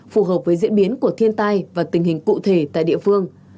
phù hợp với diễn biến của thiên tai và tình hình cụ thể tại địa phương